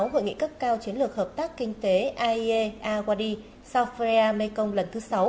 hội nghị cấp cao chiến lược hợp tác kinh tế aie awd south korea mekong lần thứ sáu